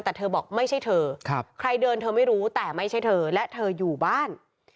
แต่เธอบอกไม่ใช่เธอใครเดินเธอไม่รู้แต่ไม่ใช่เธอและเธออยู่บ้าน